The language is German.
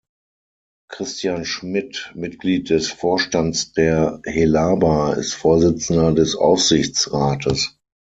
Christian Schmid, Mitglied des Vorstands der Helaba, ist Vorsitzender des Aufsichtsrates.